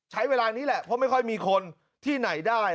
ใช้เวลานี้แหละเพราะไม่ค่อยมีคนที่ไหนได้